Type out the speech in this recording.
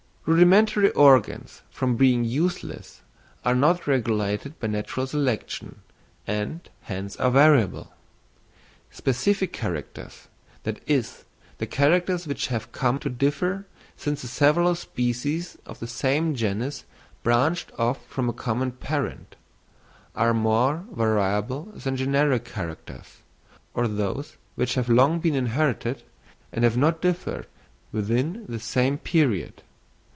Rudimentary organs, from being useless, are not regulated by natural selection, and hence are variable. Specific characters—that is, the characters which have come to differ since the several species of the same genus branched off from a common parent—are more variable than generic characters, or those which have long been inherited, and have not differed within this same period.